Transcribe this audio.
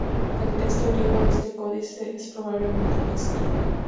El texto griego de este códice es probablemente mixto.